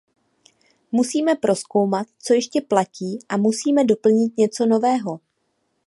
Musíme prozkoumat, co ještě platí, a musíme doplnit něco nového.